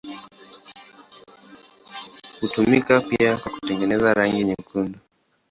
Hutumika pia kwa kutengeneza rangi nyekundu.